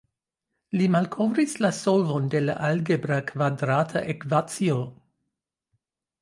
Li malkovris la solvon de la algebra kvadrata ekvacio.